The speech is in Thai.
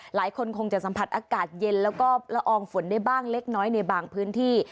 หลายคนคงจะสัมผัสอากาศเย็นแล้วก็ละอองฝนได้บ้างเล็กน้อยในบางพื้นที่